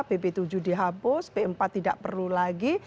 pp tujuh dihapus p empat tidak perlu lagi